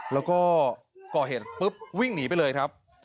แล้วก็ก่อเหตุปุ๊บวิ่งหนีไปเลยครับ